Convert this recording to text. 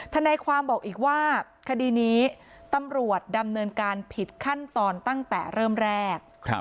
ทนายความบอกอีกว่าคดีนี้ตำรวจดำเนินการผิดขั้นตอนตั้งแต่เริ่มแรก